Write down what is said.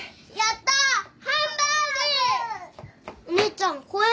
お姉ちゃん公園